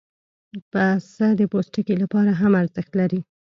پسه د پوستکي لپاره هم ارزښت لري.